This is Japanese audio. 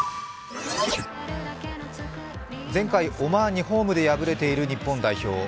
前回オマーンにホームで敗れている日本代表。